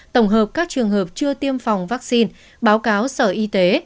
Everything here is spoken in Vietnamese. tổng hợp các trường hợp chưa tiêm phòng vaccine báo cáo sở y tế